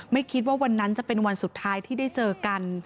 ไม่คิดว่าวันนั้นจะเป็นวันสุดท้ายที่ได้เจอกัน